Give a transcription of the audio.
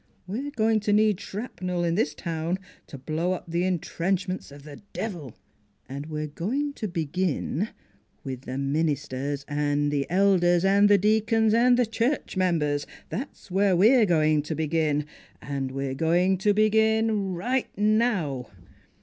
We're going to need shrapnel in this town to blow up the intrenchments of the Devil. And we are going to begin with the ministers and the elders and the deacons and the church members that's where we're 228 NEIGHBORS going to begin! And we're going to begin right now!